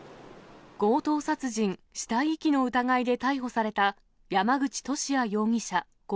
強盗殺人・死体遺棄の疑いで逮捕された、山口利家容疑者